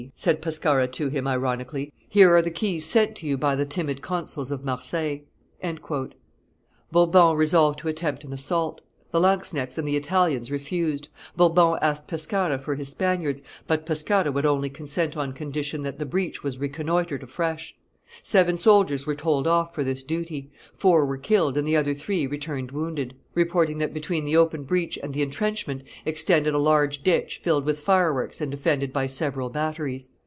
said Pescara to him, ironically, "here are the keys sent to you by the timid consuls of Marseilles." Bourbon resolved to attempt an assault; the lanzknechts and the Italians refused; Bourbon asked Pescara for his Spaniards, but Pescara would only consent on condition that the breach was reconnoitered afresh. Seven soldiers were told off for this duty; four were killed and the other three returned wounded, reporting that between the open breach and the intrenchment extended a large ditch filled with fireworks and defended by several batteries.